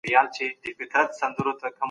ولي منځنۍ پېړۍ پای ته ورسیده؟